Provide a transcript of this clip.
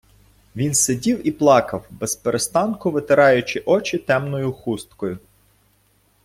Він сидів і плакав, безперестанку витираючи очі темною хусткою.